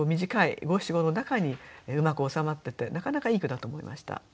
短い五七五の中にうまく収まっててなかなかいい句だと思いました。